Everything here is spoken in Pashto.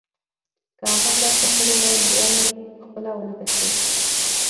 که هغه مرسته کړې وای نو ولې پخپله ونه تښتېد